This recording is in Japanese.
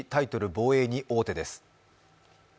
防衛に王手です。